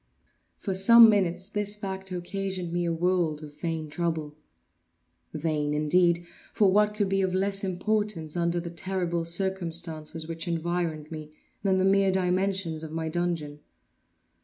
For some minutes this fact occasioned me a world of vain trouble; vain indeed! for what could be of less importance, under the terrible circumstances which environed me, then the mere dimensions of my dungeon?